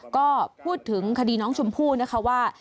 ก็พูดถึงคดีน้องชมพู่นะคะว่า